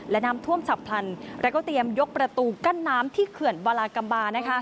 และน้ำท่วมฉับพลันแล้วก็เตรียมยกประตูกั้นน้ำที่เขื่อนวาลากำบา